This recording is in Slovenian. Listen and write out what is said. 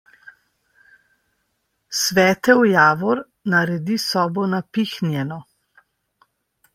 Svetel javor naredi sobo napihnjeno.